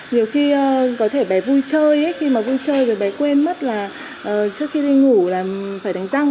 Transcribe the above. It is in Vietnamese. nhiều khi có thể bé vui chơi khi mà vui chơi rồi bé quên mất là trước khi đi ngủ là mình phải đánh răng